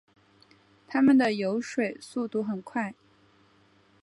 它们的游水速度很快。